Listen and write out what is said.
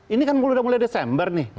ini kan udah mulai desember nih